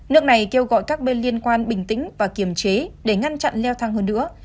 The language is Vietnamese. nước này kêu gọi các bên liên quan bình tĩnh và kiềm chế để ngăn chặn leo thang hơn nữa